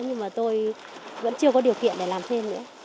nhưng mà tôi vẫn chưa có điều kiện để làm thêm nữa